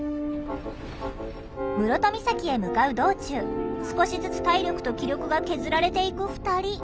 室戸岬へ向かう道中少しずつ体力と気力が削られていく２人。